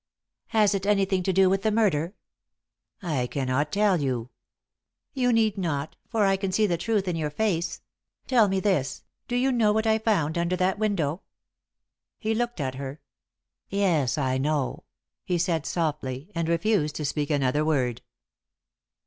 "Has it anything to do with the murder?" "I cannot tell you." "You need not, for I can see the truth in your face. Tell me this, do you know what I found under that window?" He looked at her. "Yes, I know," he said, softly, and refused to speak another word.